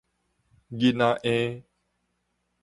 囡仔嬰